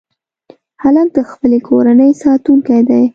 هلک د خپلې کورنۍ ساتونکی دی.